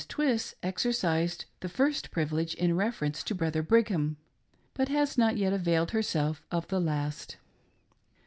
Twiss exercised the first privilege in reference to Brother Brigham, but has not yet availed herself of the last.